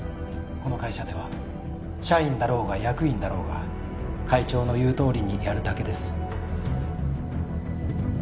この会社では社員だろうが役員だろうが会長の言うとおりにやるだけです。